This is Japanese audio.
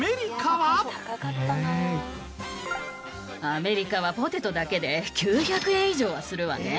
アメリカはポテトだけで９００円以上はするわね。